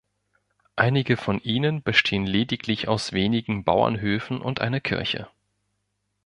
Einige von ihnen bestehen lediglich aus wenigen Bauernhöfen und einer Kirche.